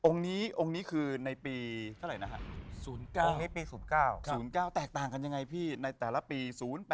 องค์นี้คือในปี๐๙แตกต่างกันยังไงพี่ในแต่ละปี๐๘๐๙๑๐๑๑๑๒๑๓